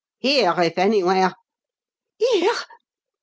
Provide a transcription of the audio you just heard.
"Here, if anywhere!" "Here?"